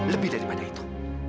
lebih daripada itu